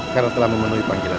karena telah memenuhi panggilan